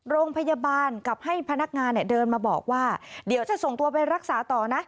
โรงพยาบาลกับให้พนักงานเนี่ยเดินมาบอกว่าเดี๋ยวจะส่งตัวไปรักษาต่อนะ